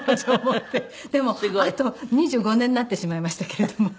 でもあと２５年になってしまいましたけれども。